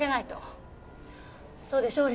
そうでしょう？